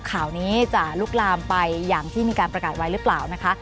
ข่าวนี้จะลุกลามไปอย่างที่มีการประกาศไว้หรือเปล่านะคะ